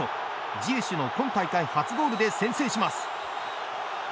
ジエシュの今大会初ゴールで先制します。